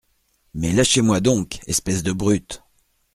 Mais lâchez-moi donc… espèces de brutes !